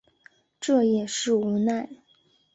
这也是无奈